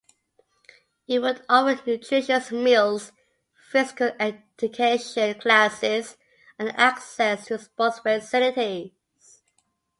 It would offer nutritious meals, physical education classes, and access to sports facilities.